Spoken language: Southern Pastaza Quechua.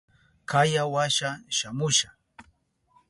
Kaya washa shamusha.